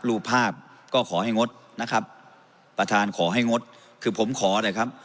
รูปภาพก็ขอให้งดนะครับประธานขอให้งดคือผมขอเลยครับ